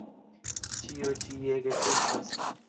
Ĉio ĉi ege kostas.